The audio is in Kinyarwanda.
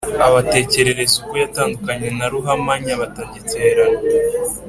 abatekerereza uko yatandukanye na ruhamanya batagiterana